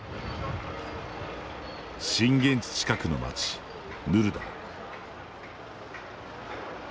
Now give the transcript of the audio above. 震源地近くの街、ヌルダー。